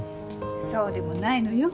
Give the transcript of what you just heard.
そうでもないのよ。